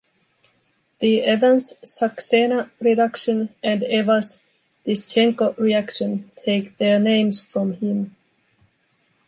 The Evans-Saksena reduction and Evans-Tishchenko reaction take their names from him.